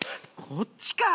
こっちか！